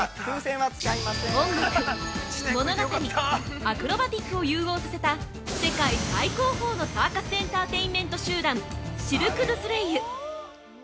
◆音楽、物語、アクロバティックを融合させた、世界最高峰のサーカス・エンターテインメント集団「シルク・ドゥ・ソレイユ」。